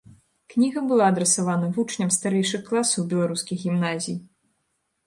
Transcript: Кніга была адрасавана вучням старэйшых класаў беларускіх гімназій.